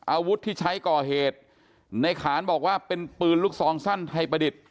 อาวุธที่ใช้ก่อเหตุในขานบอกว่าเป็นปืนลูกซองสั้นไทยประดิษฐ์